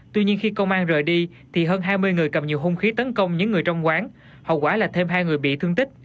tuy nhiên khi công an rời đi thì hơn hai mươi người cầm nhiều hung khí tấn công những người trong quán hậu quả là thêm hai người bị thương tích